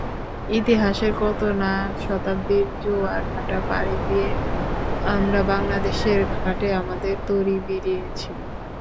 ইতিহাসের কত-না শতাব্দীর জোয়ার-ভাটা পাড়ি দিয়ে আমরা বাংলাদেশের ঘাটে আমাদের তরি ভিড়িয়েছি।